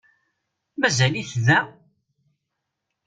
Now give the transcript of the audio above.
Mazal-it da?